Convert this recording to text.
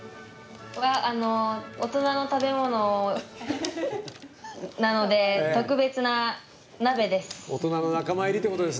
大人の食べ物なので特別な鍋です。